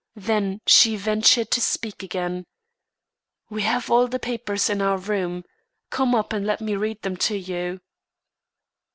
Then she ventured to speak again: "We have all the papers in our room. Come up, and let me read them to you."